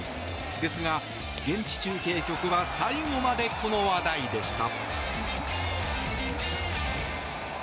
ですが、現地中継局は最後までこの話題でした。